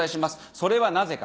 それはなぜか。